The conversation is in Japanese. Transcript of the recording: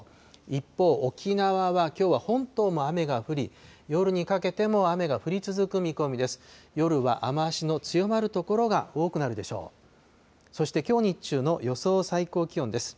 一方、沖縄はきょうは本島も雨が降り、夜にかけても雨が降り続く見込みです。